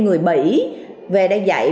người mỹ về đây dạy